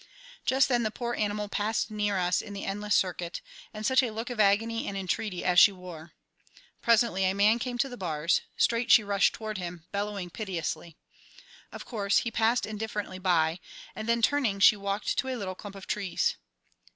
Just then the poor animal passed near us in the endless circuit, and such a look of agony and entreaty as she wore! Presently a man came to the bars; straight she rushed toward him, bellowing piteously. Of course, he passed indifferently by, and then, turning, she walked to a little clump of trees.